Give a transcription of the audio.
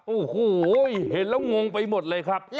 โอ้โหเห็นแล้วงงไปหมดเลยครับ